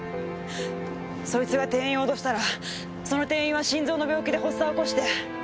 そいつが店員を脅したらその店員は心臓の病気で発作を起こして。